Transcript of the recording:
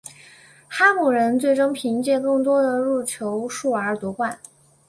哈姆人最终凭借更多的入球数而夺冠。